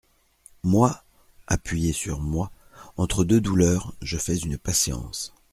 Moi, appuyer sur "moi" entre deux douleurs, je fais une patience !…